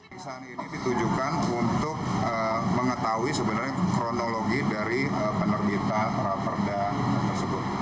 pisahan ini ditujukan untuk mengetahui sebenarnya kronologi dari penerbitan raperda tersebut